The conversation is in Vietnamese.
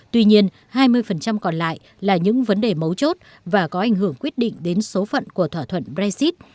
tuy nhiên hai mươi còn lại là những vấn đề mấu chốt và có ảnh hưởng quyết định đến số phận của thỏa thuận brexit